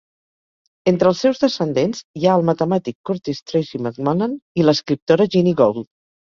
Entre els seus descendents hi ha el matemàtic Curtis Tracy McMullen i l'escriptora Jeanie Gould.